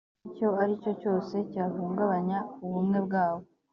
icyo aricyo cyose cyahungabanya ubumwe bwabo